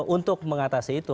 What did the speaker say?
untuk mengatasi itu